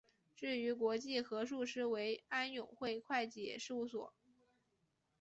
至于国际核数师为安永会计师事务所。